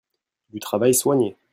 du travail soigné.